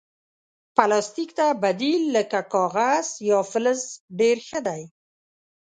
پلاستيک ته بدیل لکه کاغذ یا فلز ډېر ښه دی.